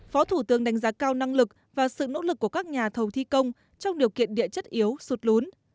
phó thủ tướng đánh giá cao năng lực và sự nỗ lực của các nhà thầu thi công trong điều kiện địa chất yếu sụt lún